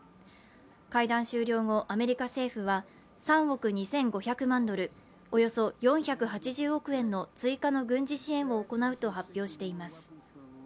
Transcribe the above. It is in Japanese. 会談終了後、アメリカ政府は３億２５００万ドル、およそ４８０億円の追加の軍事支援を行うと発表しています。